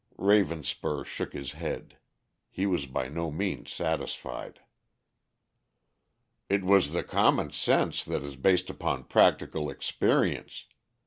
Ravenspur shook his head. He was by no means satisfied. "It was the common sense that is based upon practical experience.